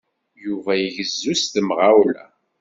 Yuba igezzu s temɣawla.